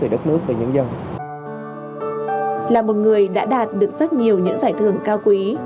là một người đã đạt được rất nhiều những giải thưởng cao quý